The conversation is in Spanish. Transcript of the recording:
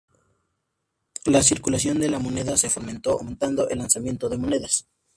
La circulación de la moneda se fomentó aumentando el lanzamiento de monedas.